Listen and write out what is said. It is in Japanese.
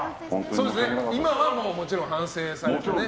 今はもちろん反省されてね。